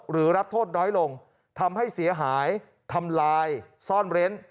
รับโทษน้อยลงทำให้เสียหายทำลายซ่อนเร้น